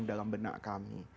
dalam benak kami